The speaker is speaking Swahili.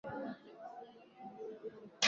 Robert ni kijana mfupi sana